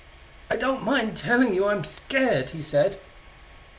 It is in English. "I don't mind telling you, I'm scared," he said.